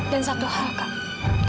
dan satu hal kak